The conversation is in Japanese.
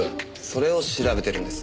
それを調べてるんです。